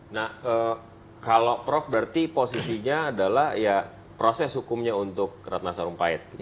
nah kalau prof berarti posisinya adalah ya proses hukumnya untuk ratna sarumpait